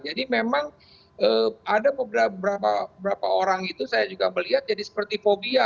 jadi memang ada beberapa orang itu saya juga melihat jadi seperti fobia